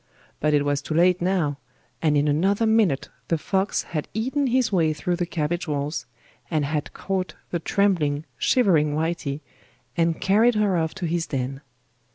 But it was too late now, and in another minute the fox had eaten his way through the cabbage walls, and had caught the trembling, shivering Whitey, and carried her off to his den.